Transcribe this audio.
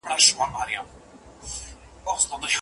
زموږ پاڼه د ډاکټر لخوا وړاندي کیږي.